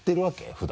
普段。